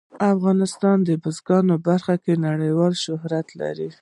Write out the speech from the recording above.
افغانستان د بزګان په برخه کې نړیوال شهرت لري.